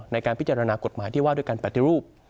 ในการพิจารณากฎหมายที่ว่าด้วยการปฏิรูป